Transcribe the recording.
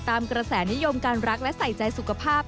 กระแสนิยมการรักและใส่ใจสุขภาพ